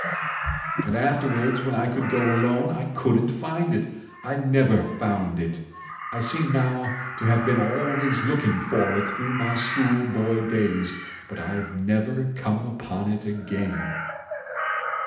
"And afterwards when I could go alone I couldn't find it. I never found it. I seem now to have been always looking for it through my school boy days, but I've never come upon it again."